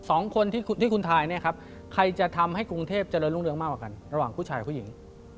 สองคนที่ที่คุณทายเนี้ยครับใครจะทำให้กรุงเทพจะเริ่มรุ่นเริ่มมากกว่ากันระหว่างผู้ใช่ผู้หญิง